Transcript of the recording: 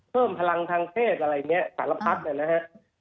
เพิ่มพลังทางเทศอะไรแบบนี้สารพักนะครับ